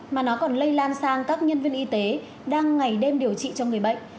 mà nó còn lây lan sang các nhân viên y tế đang ngày đêm điều trị cho người bệnh